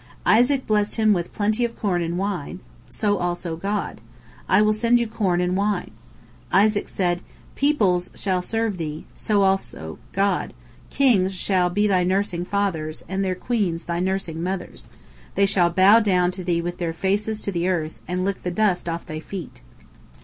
Isaac blessed him with plenty of corn and wine, so also God: "I will send you corn and wine." Isaac said, "Peoples shall serve thee," so also God: "Kings shall be thy nursing fathers, and their queens thy nursing mothers; they shall bow down to thee with their faces to the earth, and lick the dust of thy feet."